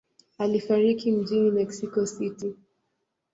Alifariki mjini Mexico City.